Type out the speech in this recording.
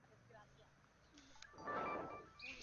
Esto hará que el tumor se someta a apoptosis.